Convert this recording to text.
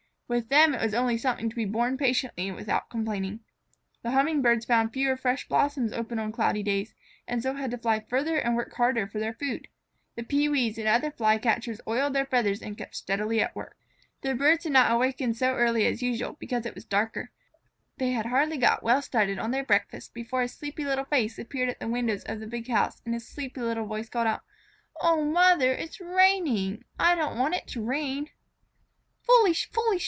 With them it was only something to be borne patiently and without complaining. The Hummingbirds found fewer fresh blossoms open on cloudy days, and so had to fly farther and work harder for their food. The Pewees and other fly catchers oiled their feathers and kept steadily at work. [Illustration: "O MOTHER, IT IS RAINING!" Page 175] The birds had not awakened so early as usual, because it was darker. They had hardly got well started on their breakfast before a sleepy little face appeared at the window of the big house and a sleepy little voice called out: "O Mother, it is raining! I didn't want it to rain." "Foolish! Foolish!